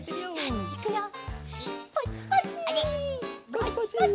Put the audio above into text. パチパチ。